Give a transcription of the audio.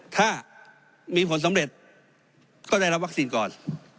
ถ้ามีผลสำเร็จก็ได้รับวัคซีนก่อน